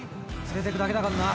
連れてくだけだかんな。